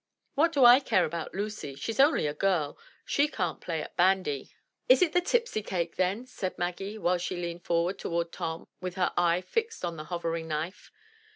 "What do I care about Lucy? She's only a girl, — she can't play at bandy." 217 MY BOOK HOUSE "Is it the tipsy cake, then?" said Maggie, while she leaned forward towards Tom with her eye fixed on the hovering knife.